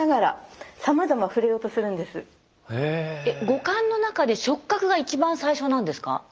五感の中で触覚が一番最初なんですか？